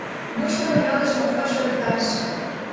Вучыдымо йодыш моткоч ӧрыктарыш.